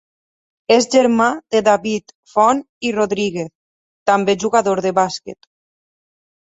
És germà de David Font i Rodríguez, també jugador de bàsquet.